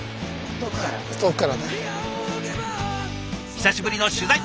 久しぶりの取材。